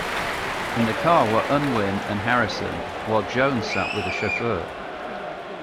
In the car were Unwin and Harrison, while Jones sat with the chauffeur.